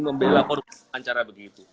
membela koruptor secara begitu